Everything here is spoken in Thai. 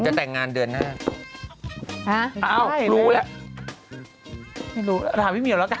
แต่งงานเดือนหน้าอ้าวรู้แล้วไม่รู้ถามพี่เหี่ยวแล้วกัน